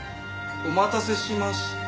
お待たせしました。